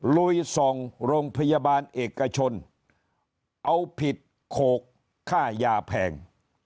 ลุยส่องโรงพยาบาลเอกชนเอาผิดโขกค่ายาแพง